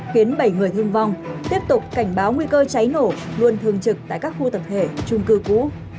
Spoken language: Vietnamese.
khiến bảy người thương vong tiếp tục cảnh báo nguy cơ cháy nổ luôn thường trực tại các khu tập thể trung cư cũ